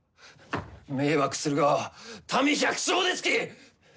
迷惑するが民、百姓ですき！